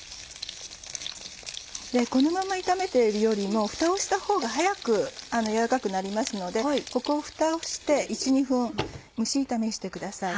このまま炒めているよりもフタをしたほうが早く軟らかくなりますのでここフタをして１２分蒸し炒めしてください。